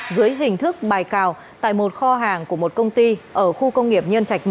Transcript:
dưới hình thức bài cào tại một kho hàng của một công ty ở khu công nghiệp nhân trạch một